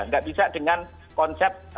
nggak bisa dengan konsep